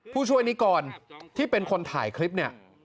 ผู้ช่วยนี้ก่อนที่เป็นคนถ่ายคลิปนี่